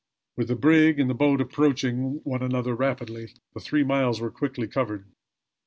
With the brig and the boat approaching one another rapidly, the three miles were quickly covered.